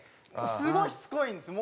すごいしつこいんです